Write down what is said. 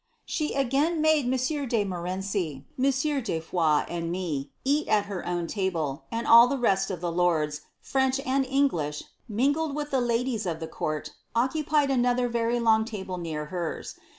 ^ She again made M. de Montmorenci, M. de Foix, and me, eat at her own table ; and all the rest of the lords, French and English, mingled with the ladies of the court, occupied another very long table near hers.